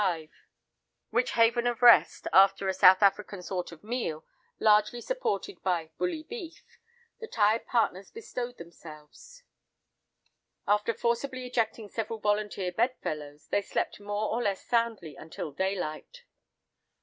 5—which haven of rest, after a South African sort of meal, largely supported by "bully beef," the tired partners bestowed themselves. After forcibly ejecting several volunteer bedfellows, they slept more or less soundly until daylight.